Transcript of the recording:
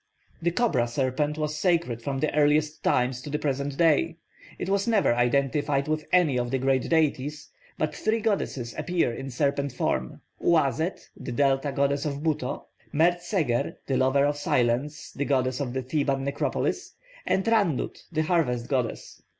The cobra serpent was sacred from the earliest times to the present day. It was never identified with any of the great deities, but three goddesses appear in serpent form: Uazet, the Delta goddess of Buto; Mert seger, 'the lover of silence,' the goddess of the Theban necropolis; and Rannut, the harvest goddess.